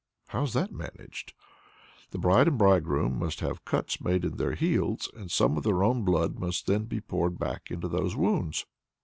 "How's that managed?" "The bride and bridegroom must have cuts made in their heels, and some of their own blood must then be poured back into those wounds.